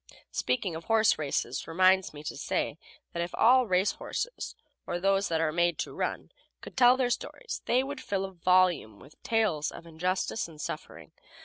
Speaking of horse races reminds me to say that if all race horses, or those that are made to run, could tell their stories they would fill volumes with tales of injustice and suffering.